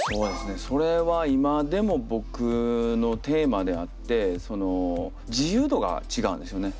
それは今でも僕のテーマであって自由度が違うんですよね。